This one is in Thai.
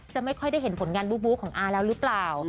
ไม่ค่อยได้เห็นผลงานบู๊ของอาแล้วหรือเปล่า